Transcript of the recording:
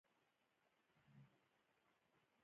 باد د سهار تازه والی راولي